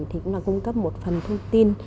thì cũng là cung cấp một phần thông tin